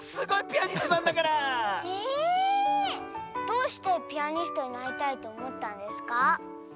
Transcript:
どうしてピアニストになりたいとおもったんですか？